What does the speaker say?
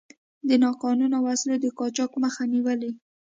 د ناقانونه وسلو د قاچاق مخه نیولې.